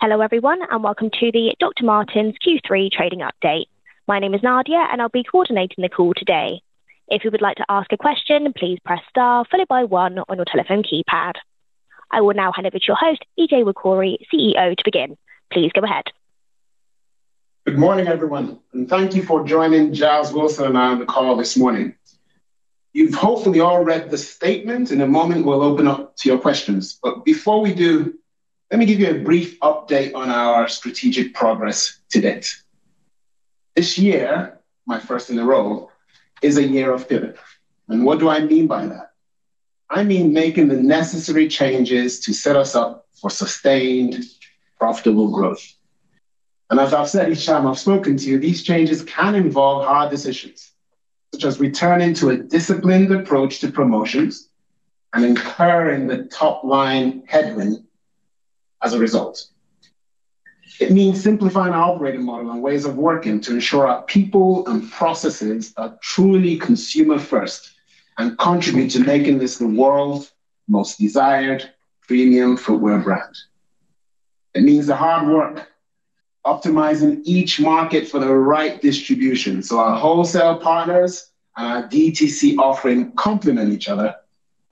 Hello, everyone, and welcome to the Dr. Martens Q3 trading update. My name is Nadia, and I'll be coordinating the call today. If you would like to ask a question, please press star followed by one on your telephone keypad. I will now hand over to your host, Ije Nwokorie, CEO, to begin. Please go ahead. Good morning, everyone, and thank you for joining Giles Wilson and I on the call this morning. You've hopefully all read the statement. In a moment, we'll open up to your questions, but before we do, let me give you a brief update on our strategic progress to date. This year, my first in the role, is a year of pivot, and what do I mean by that? I mean making the necessary changes to set us up for sustained, profitable growth. As I've said each time I've spoken to you, these changes can involve hard decisions, such as returning to a disciplined approach to promotions and incurring the top-line headwind as a result. It means simplifying our operating model and ways of working to ensure our people and processes are truly consumer first and contribute to making this the world's most desired premium footwear brand. It means the hard work, optimizing each market for the right distribution, so our wholesale partners and our DTC offering complement each other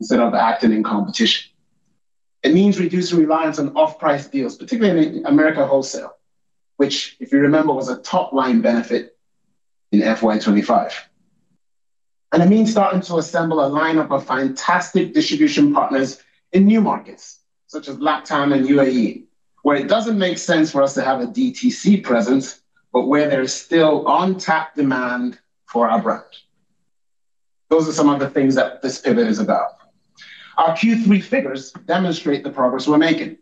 instead of acting in competition. It means reducing reliance on off-price deals, particularly in Americas Wholesale, which, if you remember, was a top-line benefit in FY 2025. And it means starting to assemble a lineup of fantastic distribution partners in new markets, such as LatAm and UAE, where it doesn't make sense for us to have a DTC presence, but where there is still untapped demand for our brand. Those are some of the things that this pivot is about. Our Q3 figures demonstrate the progress we're making.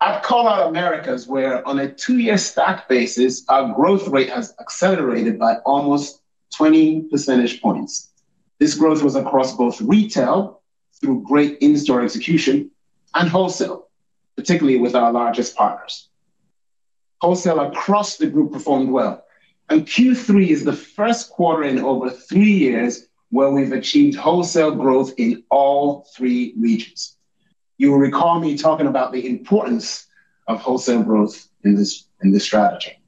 I'd call out Americas, where on a two-year stack basis, our growth rate has accelerated by almost 20 percentage points. This growth was across both retail, through great in-store execution, and wholesale, particularly with our largest partners. Wholesale across the group performed well, and Q3 is the first quarter in over three years where we've achieved wholesale growth in all three regions. You will recall me talking about the importance of wholesale growth in this, in this strategy.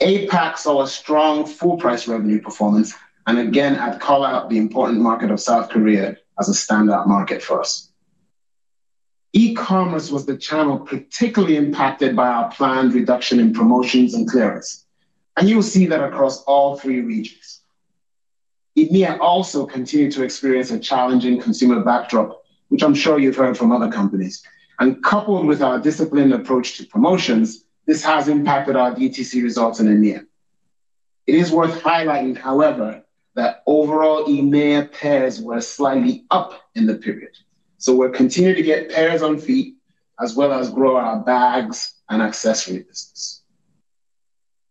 APAC saw a strong full price revenue performance, and again, I'd call out the important market of South Korea as a standout market for us. E-commerce was the channel particularly impacted by our planned reduction in promotions and clearance, and you'll see that across all three regions. EMEA also continued to experience a challenging consumer backdrop, which I'm sure you've heard from other companies. And coupled with our disciplined approach to promotions, this has impacted our DTC results in EMEA. It is worth highlighting, however, that overall EMEA pairs were slightly up in the period, so we're continuing to get pairs on feet as well as grow our bags and accessory business.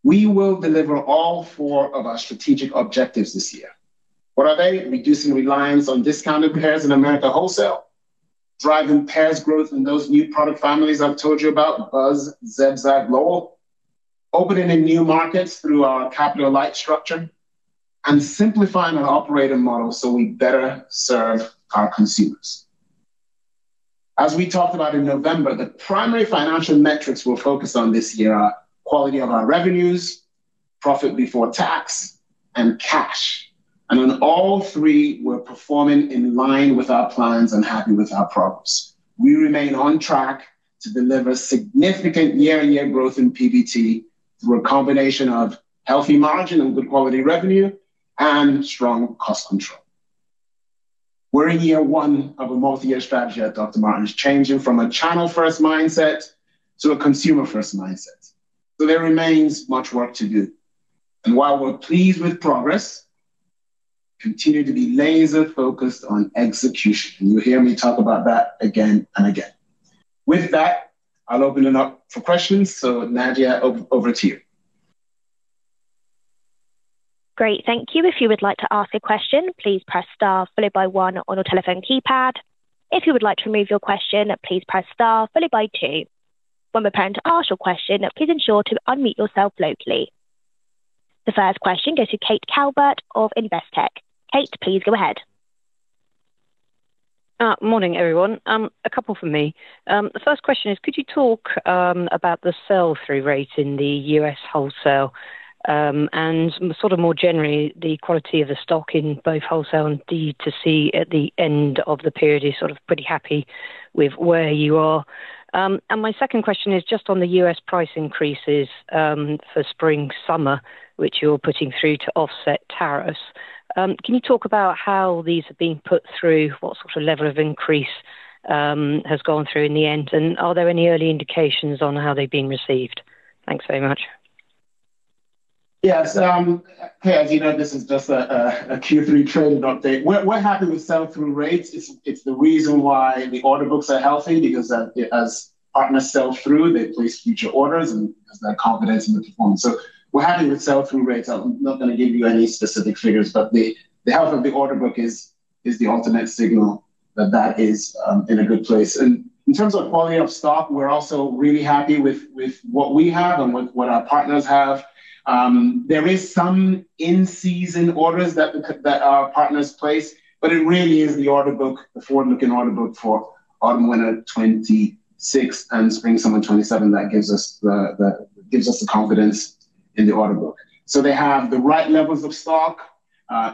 We will deliver all four of our strategic objectives this year. What are they? Reducing reliance on discounted pairs in Americas Wholesale, driving pairs growth in those new product families I've told you about, Buwick, Zebzag, Lowell, opening in new markets through our capital light structure, and simplifying our operating model so we better serve our consumers. As we talked about in November, the primary financial metrics we're focused on this year are quality of our revenues, profit before tax, and cash, and on all three, we're performing in line with our plans and happy with our progress. We remain on track to deliver significant year-on-year growth in PBT through a combination of healthy margin and good quality revenue and strong cost control. We're in year one of a multi-year strategy at Dr. Martens, changing from a channel-first mindset to a consumer-first mindset, so there remains much work to do. While we're pleased with progress, we continue to be laser focused on execution. You'll hear me talk about that again and again. With that, I'll open it up for questions. So, Nadia, over to you. Great. Thank you. If you would like to ask a question, please press star followed by one on your telephone keypad. If you would like to remove your question, please press star followed by two. When preparing to ask your question, please ensure to unmute yourself locally. The first question goes to Kate Calvert of Investec. Kate, please go ahead. Morning, everyone. A couple from me. The first question is, could you talk about the sell-through rate in the U.S. wholesale, and sort of more generally, the quality of the stock in both wholesale and DTC at the end of the period? Are you sort of pretty happy with where you are? And my second question is just on the U.S. price increases for spring/summer, which you're putting through to offset tariffs. Can you talk about how these are being put through? What sort of level of increase has gone through in the end, and are there any early indications on how they've been received? Thanks very much. Yes, Kate, as you know, this is just a Q3 trading update. We're happy with sell-through rates. It's the reason why the order books are healthy because as partners sell through, they place future orders, and as their confidence in the form. So we're happy with sell-through rates. I'm not going to give you any specific figures, but the health of the order book is the ultimate signal that that is in a good place. And in terms of quality of stock, we're also really happy with what we have and with what our partners have. There is some in-season orders that our partners place, but it really is the order book, the forward-looking order book for autumn/winter 2026 and spring/summer 2027 that gives us the confidence in the order book. So they have the right levels of stock,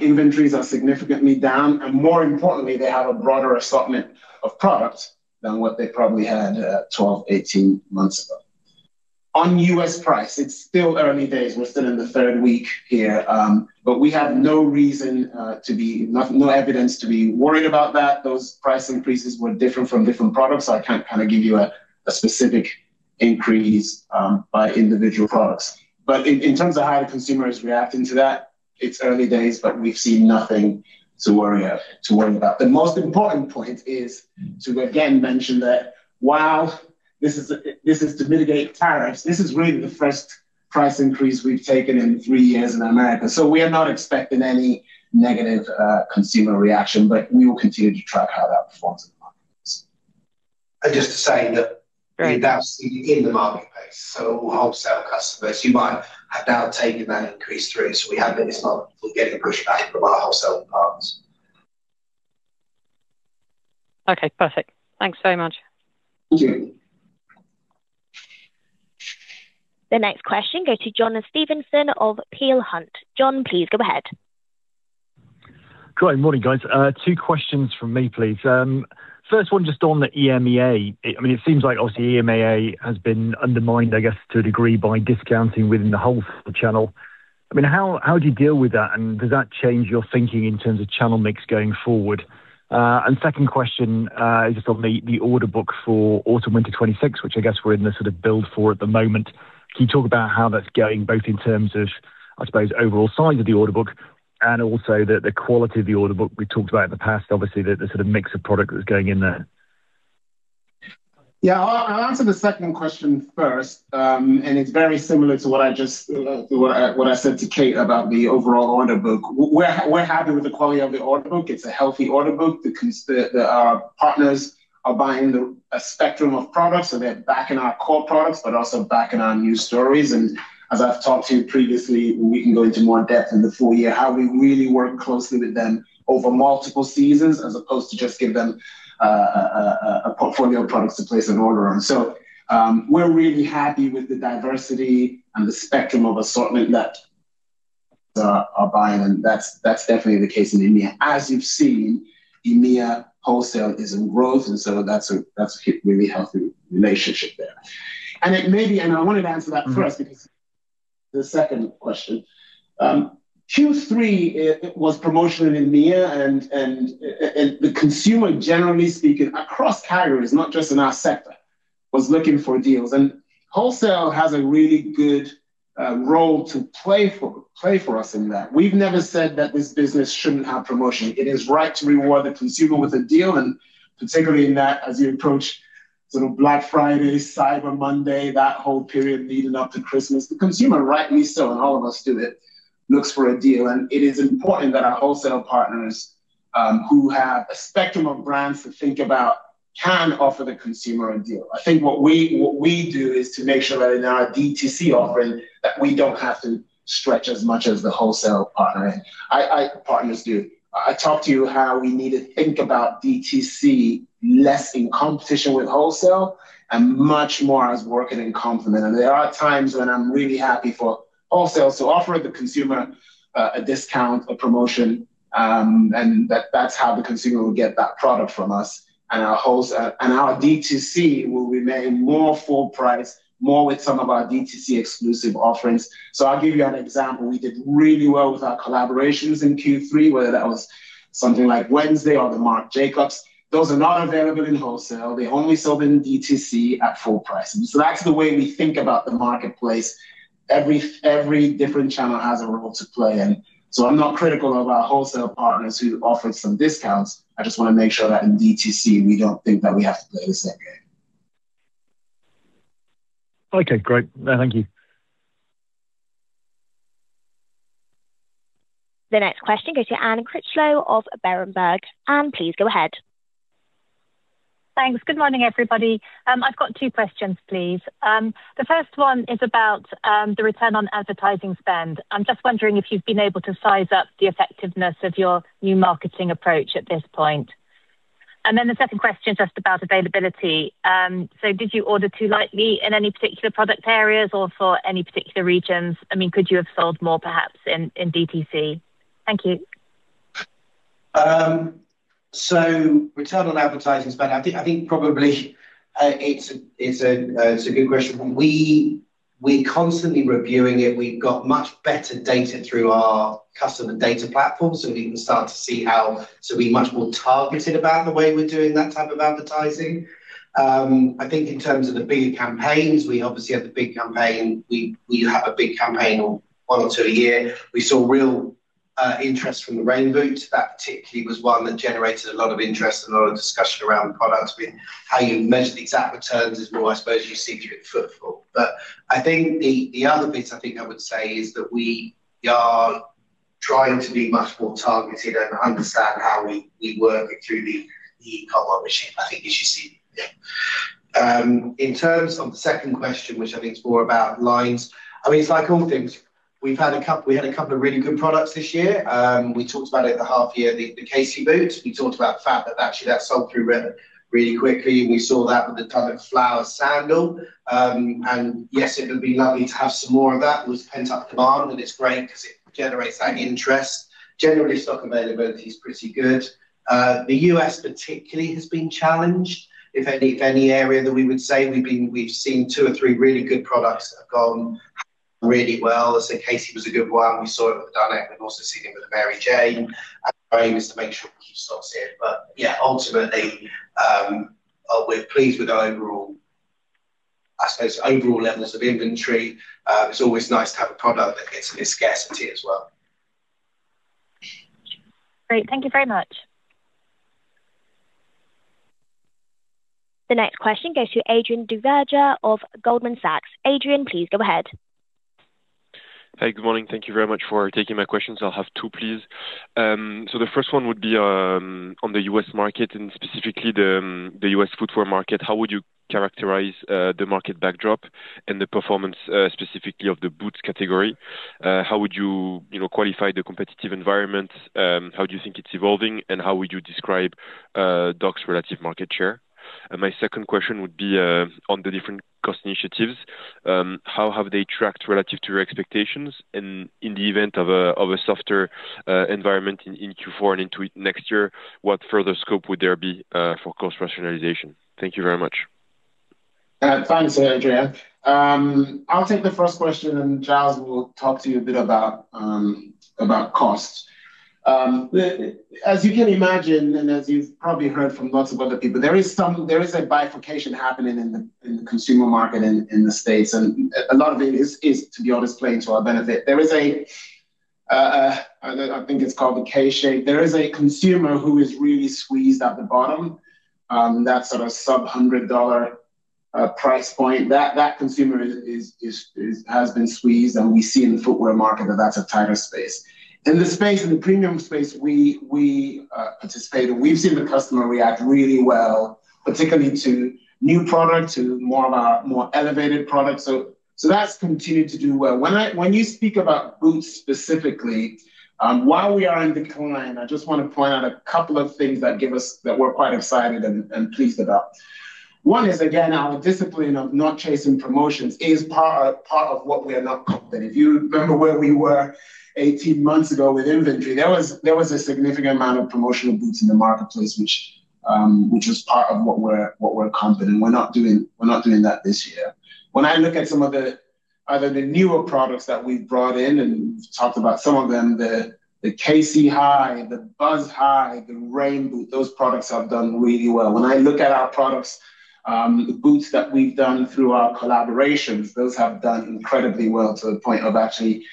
inventories are significantly down, and more importantly, they have a broader assortment of products than what they probably had 12, 18 months ago. On U.S. price, it's still early days. We're still in the third week here, but we have no reason, no evidence to be worried about that. Those price increases were different from different products. I can't kind of give you a specific increase by individual products. But in terms of how the consumer is reacting to that, it's early days, but we've seen nothing to worry of, to worry about. The most important point is to again mention that while this is, this is to mitigate tariffs, this is really the first price increase we've taken in three years in America. So we are not expecting any negative consumer reaction, but we will continue to track how that performs in the marketplace. Just to say that that's in the marketplace, so wholesale customers, you might have now taken that increase through, so we haven't. It's not we're getting a pushback from our wholesale partners. Okay, perfect. Thanks so much. Thank you. The next question go to John Stevenson of Peel Hunt. John, please go ahead. Great. Morning, guys. Two questions from me, please. First one, just on the EMEA. I mean, it seems like obviously EMEA has been undermined, I guess, to a degree, by discounting within the wholesale channel. I mean, how do you deal with that, and does that change your thinking in terms of channel mix going forward? And second question, is just on the order book for autumn/winter 2026, which I guess we're in the sort of build for at the moment. Can you talk about how that's going, both in terms of, I suppose, overall size of the order book and also the quality of the order book? We talked about in the past, obviously, the sort of mix of product that's going in there. Yeah, I'll answer the second question first, and it's very similar to what I just said to Kate about the overall order book. We're happy with the quality of the order book. It's a healthy order book because our partners are buying a spectrum of products, so they're backing our core products but also backing our new stories, and as I've talked to you previously, we can go into more depth in the full year, how we really work closely with them over multiple seasons as opposed to just give them a portfolio of products to place an order on. So, we're really happy with the diversity and the spectrum of assortment that are buying, and that's definitely the case in EMEA. As you've seen, EMEA wholesale is in growth, and so that's a really healthy relationship there. And it may be, and I wanted to answer that first because the second question, Q3 it was promotional in EMEA and the consumer, generally speaking, across categories, not just in our sector, was looking for deals, and wholesale has a really good role to play for us in that. We've never said that this business shouldn't have promotion. It is right to reward the consumer with a deal, and particularly in that, as you approach sort of Black Friday, Cyber Monday, that whole period leading up to Christmas, the consumer, rightly so, and all of us do it, looks for a deal, and it is important that our wholesale partners, who have a spectrum of brands to think about, can offer the consumer a deal. I think what we, what we do is to make sure that in our DTC offering, that we don't have to stretch as much as the wholesale partner, partners do. I talked to you how we need to think about DTC less in competition with wholesale and much more as working in complement, and there are times when I'm really happy for wholesale to offer the consumer a discount, a promotion, and that that's how the consumer will get that product from us, and our wholesale, and our DTC will remain more full price, more with some of our DTC exclusive offerings. So I'll give you an example. We did really well with our collaborations in Q3, whether that was something like Wednesday or the Marc Jacobs. Those are not available in wholesale. They're only sold in DTC at full price, and so that's the way we think about the marketplace. Every different channel has a role to play, and so I'm not critical of our wholesale partners who offered some discounts. I just want to make sure that in DTC, we don't think that we have to play the same game. Okay, great. No, thank you. The next question goes to Anne Critchlow of Berenberg. Anne, please go ahead. Thanks. Good morning, everybody. I've got two questions, please. The first one is about the return on advertising spend. I'm just wondering if you've been able to size up the effectiveness of your new marketing approach at this point. And then the second question, just about availability. So did you order too lightly in any particular product areas or for any particular regions? I mean, could you have sold more, perhaps, in DTC? Thank you. So return on advertising spend, I think probably, it's a good question. We're constantly reviewing it. We've got much better data through our customer data platform, so we can start to see how. o we're much more targeted about the way we're doing that type of advertising. I think in terms of the bigger campaigns, we obviously have the big campaign. We have a big campaign or one or two a year. We saw real interest from the rain boots. That particularly was one that generated a lot of interest and a lot of discussion around the product. But how you measure the exact returns is more, I suppose, you see through footfall. But I think the other bit, I think I would say, is that we are trying to be much more targeted and understand how we work through the e-commerce machine, I think as you see. Yeah. In terms of the second question, which I think is more about lines, I mean, it's like all things we've had a couple, we had a couple of really good products this year. We talked about it at the half year, the Chesney boots. We talked about the fact that actually that sold through really, really quickly, and we saw that with the Dunnet Flower sandal. And yes, it would be lovely to have some more of that with pent-up demand, and it's great because it generates that interest. Generally, stock availability is pretty good. The US particularly has been challenged. If any area that we would say we've seen two or three really good products that have gone really well. So Chesney was a good one. We saw it with Dunnet, and we've also seen it with the Mary Jane. And our aim is to make sure we keep stocks here. But yeah, ultimately, we're pleased with our overall, I suppose, overall levels of inventory. It's always nice to have a product that gets me scarcity as well. Great, thank you very much. The next question goes to Adrien Duverger of Goldman Sachs. Adrien, please go ahead. Hey, good morning. Thank you very much for taking my questions. I'll have two, please. So the first one would be on the U.S. market and specifically the U.S. footwear market. How would you characterize the market backdrop and the performance specifically of the boots category? How would you, you know, qualify the competitive environment? How do you think it's evolving, and how would you describe Docs' relative market share? And my second question would be on the different cost initiatives. How have they tracked relative to your expectations? And in the event of a softer environment in Q4 and into next year, what further scope would there be for cost rationalization? Thank you very much. Thanks, Adrien. I'll take the first question, and Giles will talk to you a bit about about costs. The, as you can imagine, and as you've probably heard from lots of other people, there is a bifurcation happening in the consumer market in the States, and a lot of it is, to be honest, playing to our benefit. There is a I think it's called the K shape. There is a consumer who is really squeezed at the bottom, that sort of sub-$100 price point, that consumer has been squeezed, and we see in the footwear market that that's a tighter space. In the space, in the premium space, we participate, and we've seen the customer react really well, particularly to new product, to more of our more elevated products. So that's continued to do well. When you speak about boots specifically, while we are in decline, I just want to point out a couple of things that give us, that we're quite excited and pleased about. One is, again, our discipline of not chasing promotions is part of what we are now confident. If you remember where we were 18 months ago with inventory, there was a significant amount of promotional boots in the marketplace, which was part of what we're confident. We're not doing that this year. When I look at some of the, either the newer products that we've brought in, and we've talked about some of them, the Chesney High, the Buwick High, the Rain Boot, those products have done really well. When I look at our products, the boots that we've done through our collaborations, those have done incredibly well to the point of actually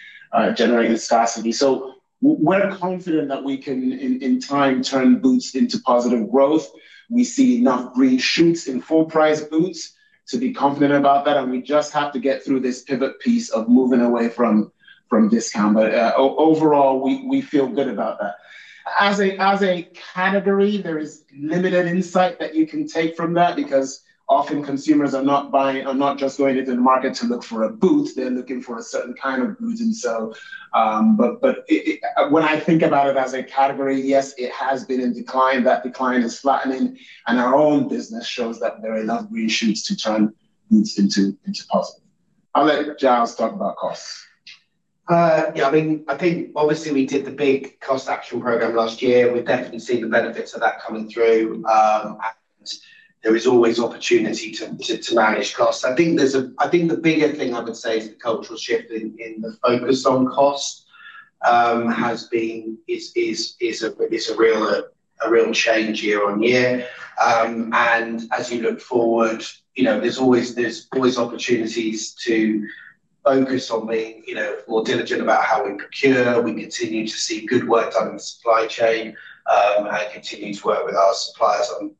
generating scarcity. So we're confident that we can, in time, turn boots into positive growth. We see enough green shoots in full price boots to be confident about that, and we just have to get through this pivot piece of moving away from discount. But overall, we feel good about that. As a category, there is limited insight that you can take from that because often consumers are not buying, are not just going into the market to look for a boot; they're looking for a certain kind of boot. And so, when I think about it as a category, yes, it has been in decline. That decline is flattening, and our own business shows that there are enough green shoots to turn boots into positive. I'll let Giles talk about costs. Yeah, I mean, I think obviously we did the big cost action program last year. We've definitely seen the benefits of that coming through. And there is always opportunity to manage costs. I think the bigger thing I would say is the cultural shift in the focus on cost has been, is a real change year on year. And as you look forward, you know, there's always opportunities to focus on being, you know, more diligent about how we procure. We continue to see good work done in the supply chain, and continue to work with our suppliers on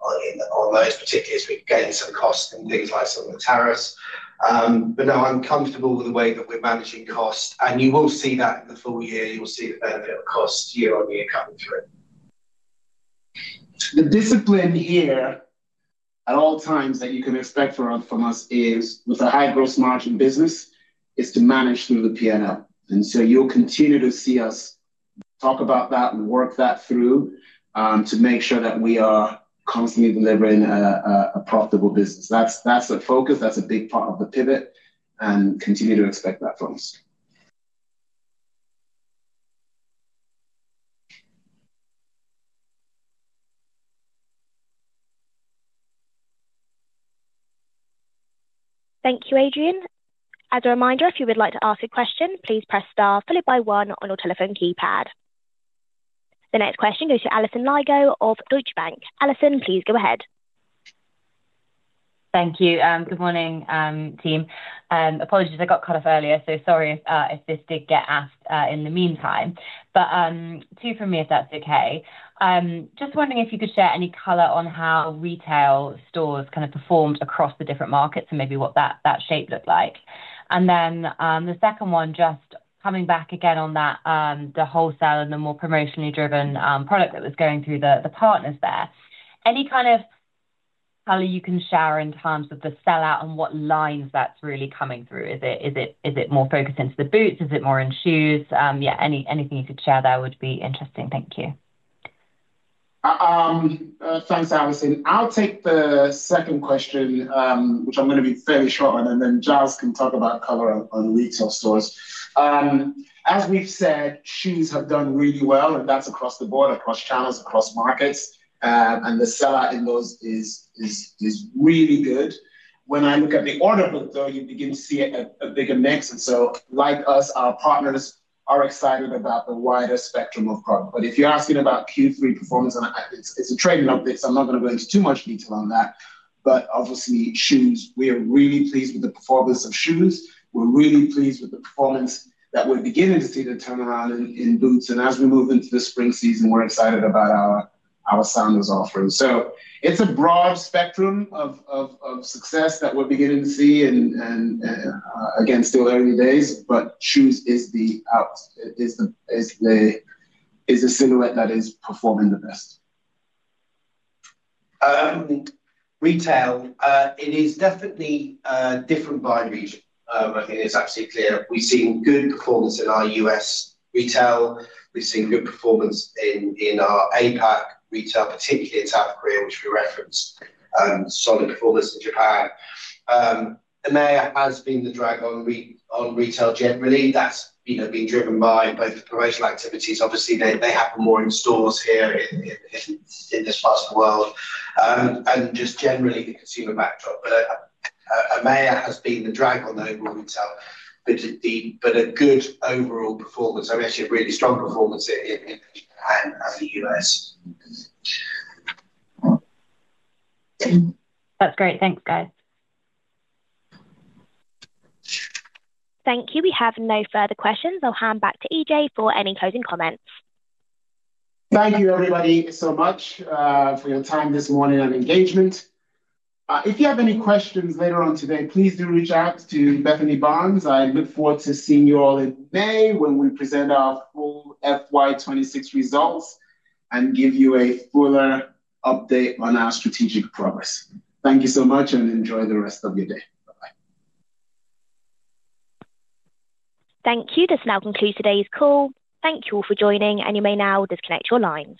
those, particularly as we gain some cost and things like some of the tariffs. But no, I'm comfortable with the way that we're managing costs, and you will see that in the full year, you will see the benefit of cost year-on-year coming through. The discipline here at all times that you can expect from us is, with a high growth margin business, to manage through the P&L. And so you'll continue to see us talk about that and work that through, to make sure that we are constantly delivering a profitable business. That's the focus, that's a big part of the pivot, and continue to expect that from us. Thank you, Adrien. As a reminder, if you would like to ask a question, please press star followed by one on your telephone keypad. The next question goes to Alison Lygo of Deutsche Bank. Alison, please go ahead. Thank you. Good morning, team. Apologies, I got cut off earlier, so sorry if this did get asked in the meantime. But two from me, if that's okay. Just wondering if you could share any color on how retail stores kind of performed across the different markets and maybe what that shape looked like. And then, the second one, just coming back again on that, the wholesale and the more promotionally driven product that was going through the partners there. Any kind of color you can share in terms of the sell-out and what lines that's really coming through? Is it, is it, is it more focused into the boots? Is it more in shoes? Yeah, anything you could share there would be interesting. Thank you. Thanks, Alison. I'll take the second question, which I'm gonna be fairly short on, and then Jas can talk about color on the retail stores. As we've said, shoes have done really well, and that's across the board, across channels, across markets. And the sell-out in those is really good. When I look at the order book, though, you begin to see a bigger mix, and so like us, our partners are excited about the wider spectrum of product. But if you're asking about Q3 performance, and it's a trading update, so I'm not gonna go into too much detail on that. But obviously, shoes, we are really pleased with the performance of shoes. We're really pleased with the performance that we're beginning to see the turnaround in boots, and as we move into the spring season, we're excited about our sandals offering. So it's a broad spectrum of success that we're beginning to see and again, still early days, but shoes is the silhouette that is performing the best. Retail, it is definitely different by region. I think it's actually clear we've seen good performance in our US retail. We've seen good performance in our APAC retail, particularly in South Korea, which we referenced, solid performance in Japan. EMEA has been the drag on retail generally. That's, you know, been driven by both promotional activities. Obviously, they have more in stores here in this part of the world, and just generally the consumer backdrop. But EMEA has been the drag on the overall retail, but a good overall performance, I mean, actually a really strong performance in Japan and the US. That's great. Thanks, guys. Thank you. We have no further questions. I'll hand back to Ije for any closing comments. Thank you, everybody, so much for your time this morning and engagement. If you have any questions later on today, please do reach out to Bethany Barnes. I look forward to seeing you all in May when we present our full FY26 results and give you a fuller update on our strategic progress. Thank you so much, and enjoy the rest of your day. Bye-bye. Thank you. This now concludes today's call. Thank you all for joining, and you may now disconnect your lines.